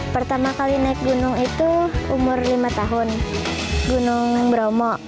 pertama kali naik gunung itu umur lima tahun gunung bromo